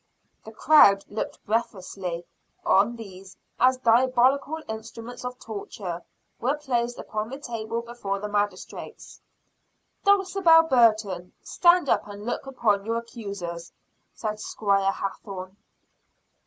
The crowd looked breathlessly on as "these diabolical instruments of torture" were placed upon the table before the magistrates. "Dulcibel Burton, stand up and look upon your accusers," said Squire Hathorne.